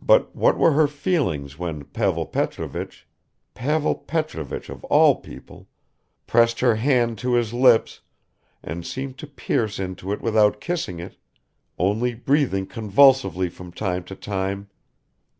But what were her feelings when Pavel Petrovich, Pavel Petrovich of all people, pressed her hand to his lips and seemed to pierce into it without kissing it, only breathing convulsively from time to time